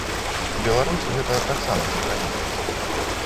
Беларусь гэта таксама закране.